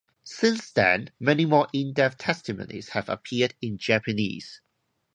Since then many more in-depth testimonies have appeared in Japanese.